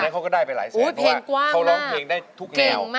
เขาก็ได้ไปหลายแสนเพราะว่าเขาร้องเพลงได้ทุกแนว